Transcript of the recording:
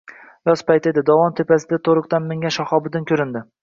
Yoz payti edi. Dovon tepasida toʼriq mingan Shahobiddin koʼrindi.